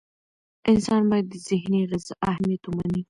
انسان باید د ذهني غذا اهمیت ومني.